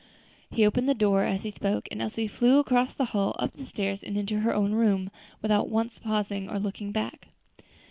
He opened the door as he spoke, and Elsie flew across the hall, up the stairs, and into her own room, without once pausing or looking back.